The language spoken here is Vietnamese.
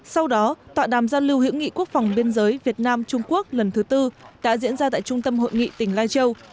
sau đó tọa đàm giao lưu hữu nghị quốc phòng biên giới việt nam trung quốc lần thứ tư đã diễn ra tại trung tâm hội nghị tỉnh lai châu